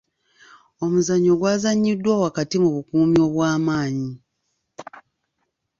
Omuzannyo gwazannyiddwa wakati mu bukuumi obw'amaanyi.